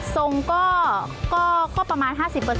ทรงก็ประมาณ๕๐